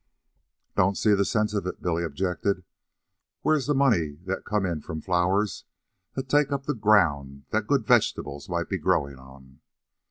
"Don't see the sense of it," Billy objected. "Where's the money come in from flowers that take up the ground that good vegetables might be growin' on?"